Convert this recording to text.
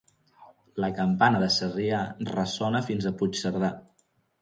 La campana de Sarrià ressona fins a Puigcerdà.